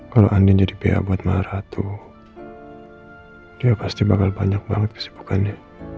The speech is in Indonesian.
kalo andin jadi ba buat maharatu dia pasti bakal banyak banget kesibukannya